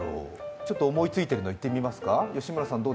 ちょっと思いついてるの言ってみますか。